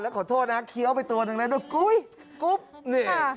แล้วขอโทษนะเขี๊ยวไปตัวหนึ่งแล้วโดดกุปนี่